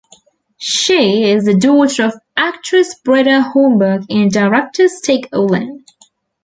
She is the daughter of actress Britta Holmberg and director Stig Olin.